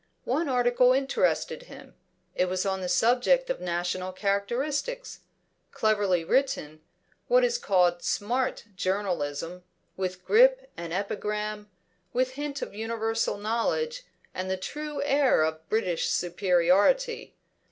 One article interested him; it was on the subject of national characteristics: cleverly written, what is called "smart" journalism, with grip and epigram, with hint of universal knowledge and the true air of British superiority.